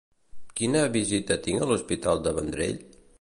Quina visita tinc a l'Hospital de Vendrell?